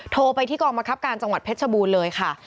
โทรไปที่กองบังคับการจังหวัดเพชรชบูรณ์เลยค่ะ